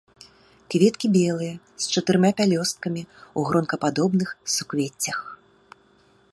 Кветкі белыя, з чатырма пялёсткамі, у гронкападобных суквеццях.